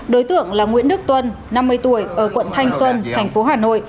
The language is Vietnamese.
đối tượng là nguyễn đức tuân năm mươi tuổi ở quận thanh xuân thành phố hà nội